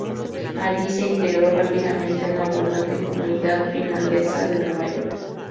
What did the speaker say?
Allí se integró rápidamente en la abundante comunidad finlandesa de Nueva York.